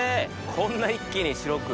こんな一気に白く。